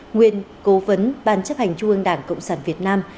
nguyên cố vấn ban chấp hành trung ương đảng cộng sản việt nam